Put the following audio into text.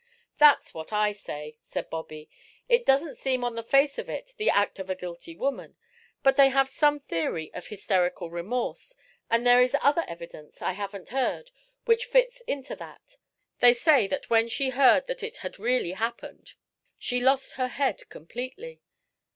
"That's what I say," said Bobby. "It doesn't seem on the face of it the act of a guilty woman. But they have some theory of hysterical remorse, and there is other evidence I haven't heard which fits into that. They say that when she heard that it had really happened she lost her head completely.